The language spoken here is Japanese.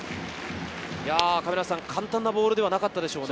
簡単なボールではなかったでしょうね。